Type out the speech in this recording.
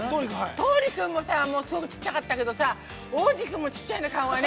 桃李君もさ、すごく、ちっちゃかったけどさ、央士君もちっちゃいね、顔がね。